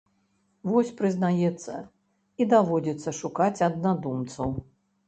Вось, прызнаецца, і даводзіцца шукаць аднадумцаў.